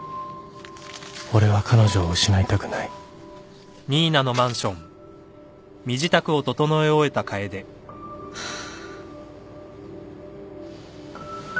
俺は彼女を失いたくないハァ。